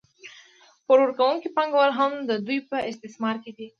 پور ورکوونکي پانګوال هم د دوی په استثمار کې دي